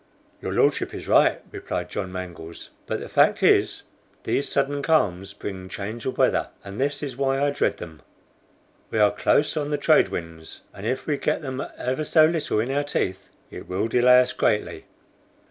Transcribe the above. "Your Lordship is right," replied John Mangles; "but the fact is these sudden calms bring change of weather, and this is why I dread them. We are close on the trade winds, and if we get them ever so little in our teeth, it will delay us greatly."